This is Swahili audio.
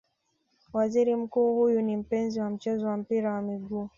Waziri Mkuu huyu ni mpenzi wa mchezo wa mpira wa miguu